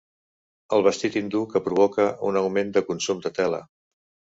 El vestit hindú que provoca un augment de consum de tela.